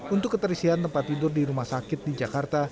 untuk keterisian tempat tidur di rumah sakit di jakarta